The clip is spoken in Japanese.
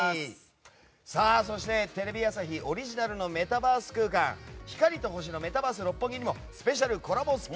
そして、テレビ朝日オリジナルのメタバース空間光と星のメタバース六本木にも出現中です。